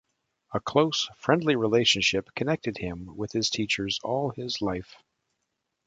A close, friendly relationship connected him with his teachers all his life.